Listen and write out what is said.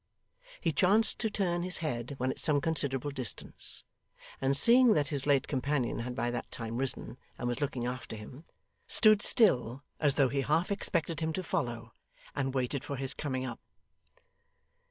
He chanced to turn his head when at some considerable distance, and seeing that his late companion had by that time risen and was looking after him, stood still as though he half expected him to follow and waited for his coming up.